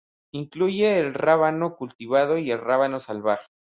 Incluye el rábano cultivado y el rábano salvaje.